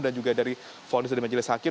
dan juga dari fondus dari majelis hakim